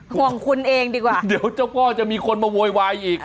ห่วงคุณเองดีกว่าเดี๋ยวเจ้าพ่อจะมีคนมาโวยวายอีก